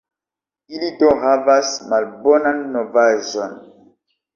Ili do havas malbonan novaĵon.